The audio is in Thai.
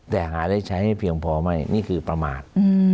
แต่หาได้ใช้ไม่เพียงพอไม่นี่คือประมาท